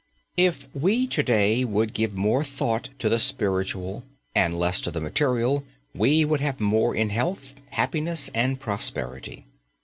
If we to day would give more thought to the spiritual and less to the material, we would have more in health, happiness, and prosperity.